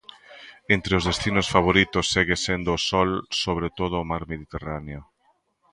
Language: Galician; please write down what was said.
Entre os destinos favoritos segue sendo o sol sobre todo o mar Mediterráneo.